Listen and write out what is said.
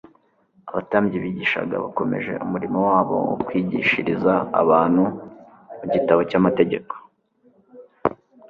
abatambyi bigishaga bakomeje umurimo wabo wo kwigishiriza abantu mu gitabo cy'amategeko